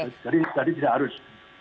jadi jadi tidak harus